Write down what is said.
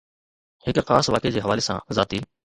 هڪ خاص واقعي جي حوالي سان ذاتي